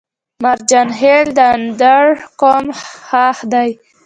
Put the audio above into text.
مرجان خيل د اندړ قوم خاښ دی